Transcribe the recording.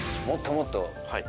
もっともっと。